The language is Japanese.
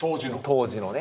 当時のね。